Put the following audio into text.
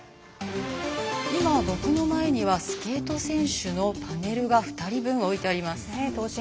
今、僕の前にはスケート選手のパネルが２人分置いてあります。